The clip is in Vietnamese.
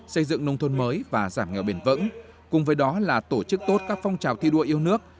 xây dựng nông thôn mới và giảm nghèo bền vững cùng với đó là tổ chức tốt các phong trào thi đua yêu nước